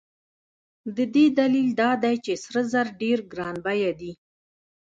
د دې دلیل دا دی چې سره زر ډېر ګران بیه دي.